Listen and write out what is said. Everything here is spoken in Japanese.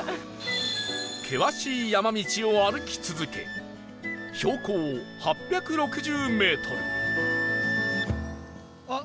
険しい山道を歩き続け標高８６０メートル